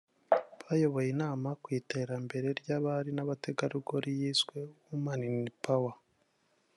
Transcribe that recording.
bayoboye inama ku iterambere ry’abari n’abategarugori yiswe ’Women in Power’